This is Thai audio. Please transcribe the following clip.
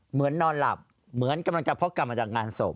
นอนหลับเหมือนกำลังจะพกกลับมาจากงานศพ